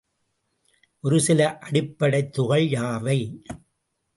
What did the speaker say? ஒரு சில அடிப்படைத் துகள் யாவை?